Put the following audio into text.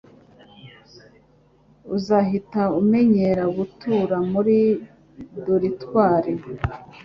Uzahita umenyera gutura muri dortoir.